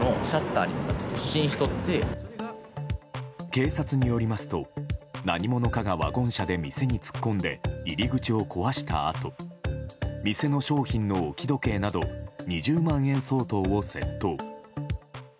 警察によりますと何者かがワゴン車で店に突っ込んで入り口を壊したあと店の商品の置き時計など２０万円相当を窃盗。